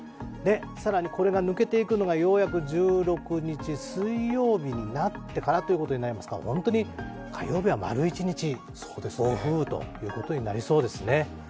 更にこれが抜けていくのがようやく１６日水曜日になってからということになりますから本当に火曜日は丸一日暴風雨ということになりそうですね。